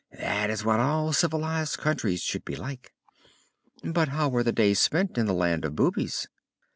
That is what all civilized countries should be like!" "But how are the days spent in the 'Land of Boobies'?"